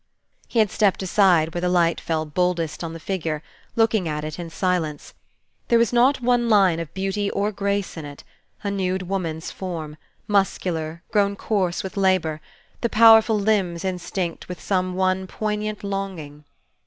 He had stepped aside where the light fell boldest on the figure, looking at it in silence. There was not one line of beauty or grace in it: a nude woman's form, muscular, grown coarse with labor, the powerful limbs instinct with some one poignant longing.